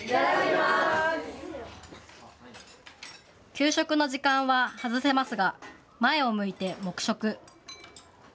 給食の時間は外せますが前を向いて黙食。